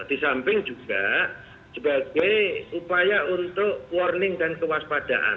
di samping juga sebagai upaya untuk warning dan kewaspadaan